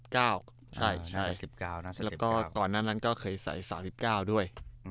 ๑๙ใช่แล้วก็ก่อนนั้นก็เคยใส่๓๙ด้วย